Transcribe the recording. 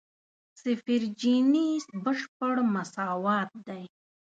صفر جیني بشپړ مساوات دی.